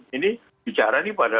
ini bicara ini pada